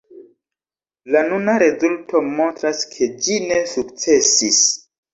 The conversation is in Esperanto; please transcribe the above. La nuna rezulto montras, ke ĝi ne sukcesis.